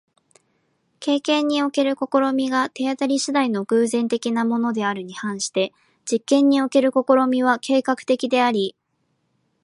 経験における試みが手当り次第の偶然的なものであるに反して、実験における試みは計画的であり、